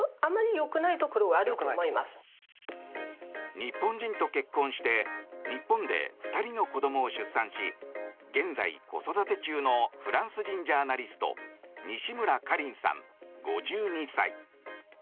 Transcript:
日本人と結婚して日本で２人の子どもを出産し現在、子育て中のフランス人ジャーナリスト西村カリンさん、５２歳。